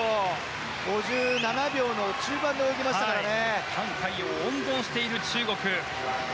５７秒の中盤で泳ぎましたからね。